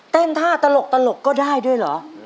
ท่าตลกก็ได้ด้วยเหรอ